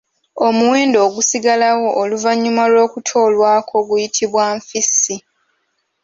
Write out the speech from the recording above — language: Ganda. Omuwendo ogusigalawo oluvannyuma lw'okutoolwako guyitibwa nfissi.